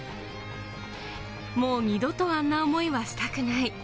もう二度とあんな思いはしたくない。